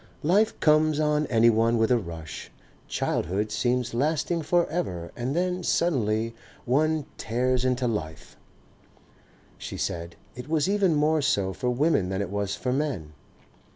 "Life comes on anyone with a rush, childhood seems lasting for ever and then suddenly one tears into life," she said. It was even more so for women than it was for men.